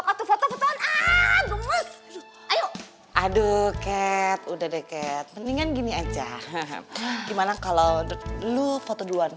waktu foto foto aduh mas ayo aduh cat udah deket mendingan gini aja gimana kalau lu foto duluan